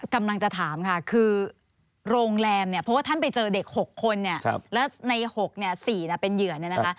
กำลังจะถามค่ะคือโรงแรมเนี่ยเพราะท่านไปเจอเด็ก๖คนและใน๖เป็นเหย่อน